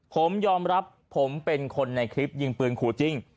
ผมยอมรับผมเป็นคนในคลิปยิงปืนขู่จริง